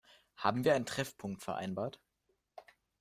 Haben wir einen Treffpunkt vereinbart?